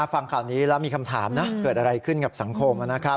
ฟังข่าวนี้แล้วมีคำถามนะเกิดอะไรขึ้นกับสังคมนะครับ